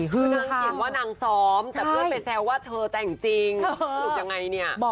เขาส้อมหรือว่ายังไง